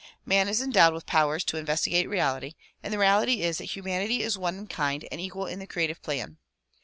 Man is endowed with powers to investigate reality, and the reality is that humanity is one in kind and equal in the creative plan.